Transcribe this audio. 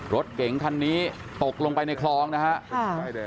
รถเก๋งคันนี้ตกลงไปในคลองนะครับ